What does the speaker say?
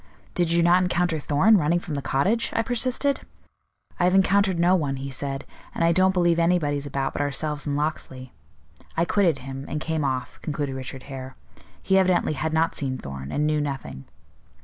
'Did you not encounter Thorn, running from the cottage?' I persisted. 'I have encountered no one,' he said, 'and I don't believe anybody's about but ourselves and Locksley.' I quitted him, and came off," concluded Richard Hare. "He evidently had not seen Thorn, and knew nothing."